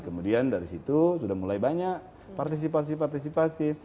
kemudian dari situ sudah mulai banyak partisipasi partisipasi